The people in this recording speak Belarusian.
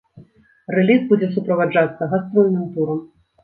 Рэліз будзе суправаджацца гастрольным турам.